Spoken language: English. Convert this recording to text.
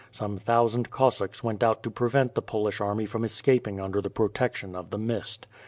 Some thousand Cossacks went out to prevent the Polish army from escaping under the protection of the mist.